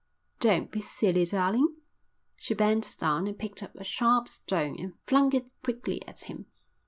"Don't be silly, darling." She bent down and picked up a sharp stone and flung it quickly at him.